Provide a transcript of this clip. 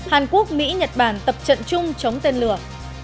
hàn quốc mỹ nhật bản tập trận chung chống tên lửa